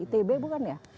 itb bukan ya